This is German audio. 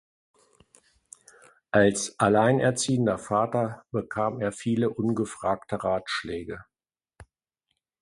Als alleinerziehender Vater bekam er viele ungefragte Ratschläge.